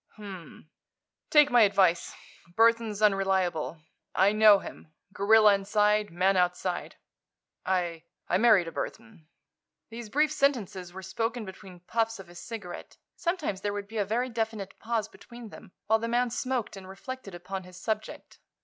"H m m. Take my advice. Burthon's unreliable. I know him. Gorilla inside, man outside. I—I married a Burthon." These brief sentences were spoken between puffs of his cigarette. Sometimes there would be a very definite pause between them, while the man smoked and reflected upon his subject.